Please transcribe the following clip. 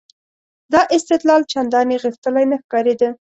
دا استدلال چندانې غښتلی نه ښکارېده.